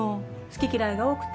好き嫌いが多くて。